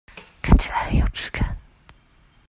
看起來很有質感